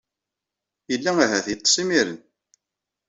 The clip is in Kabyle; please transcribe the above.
Yella ahat yeṭṭes imir-n.